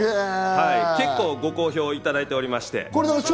結構ご好評いただいております。